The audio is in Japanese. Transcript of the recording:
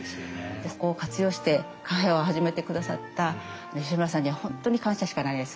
ここを活用してカフェを始めてくださった吉村さんには本当に感謝しかないです。